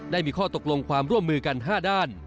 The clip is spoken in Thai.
ได้มีข้อตกลงความร่วมมือกัน๕ด้าน